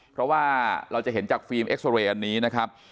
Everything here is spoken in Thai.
เพราะว่าเราจะเห็นจากอันนี้นะครับ